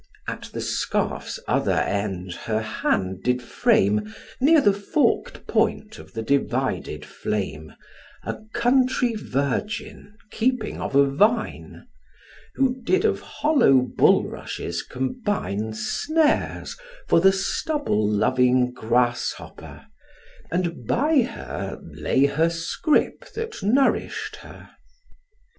At the scarf's other end her hand did frame, Near the fork'd point of the divided flame, A country virgin keeping of a vine, Who did of hollow bulrushes combine Snares for the stubble loving grasshopper, And by her lay her scrip that nourish'd her.